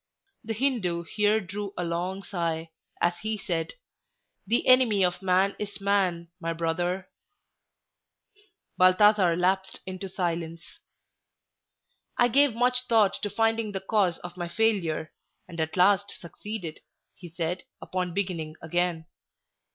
The Hindoo here drew a long sigh, as he said, "The enemy of man is man, my brother." Balthasar lapsed into silence. "I gave much thought to finding the cause of my failure, and at last succeeded," he said, upon beginning again.